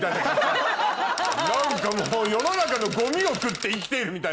何かもう世の中のゴミを食って生きているみたいな。